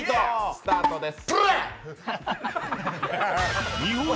スタートです！